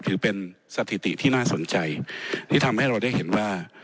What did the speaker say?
ถือเป็นสถิติที่น่าสนใจนี่ทำให้เราได้เห็นว่า